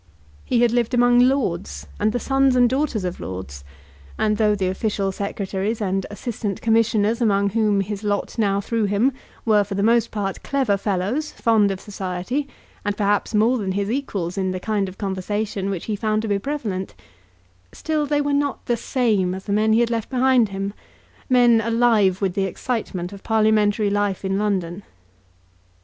He had lived among lords, and the sons and daughters of lords; and though the official secretaries and assistant commissioners among whom his lot now threw him were for the most part clever fellows, fond of society, and perhaps more than his equals in the kind of conversation which he found to be prevalent, still they were not the same as the men he had left behind him, men alive with the excitement of parliamentary life in London.